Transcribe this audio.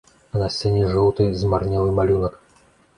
А на сцяне жоўты змарнелы малюнак.